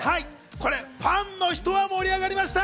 これ、ファンの人は盛り上がりました。